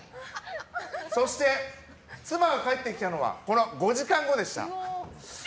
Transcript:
そして、妻が帰ってきたのはこのあと５時間後でした。